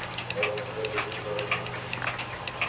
আমার স্ত্রীর জীবন বিপন্ন বলেছেন বিধায় এসেছি এখানে!